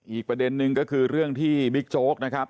อีกประเด็นนึงก็คือเรื่องที่บิ๊กโจ๊กนะครับ